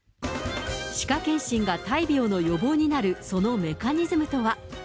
歯科健診が大病の予防になるそのメカニズムとは。